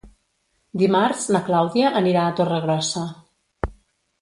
Dimarts na Clàudia anirà a Torregrossa.